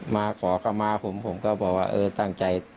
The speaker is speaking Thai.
มาขอเข้ามาผมผมก็บอกว่าเออตั้งใจ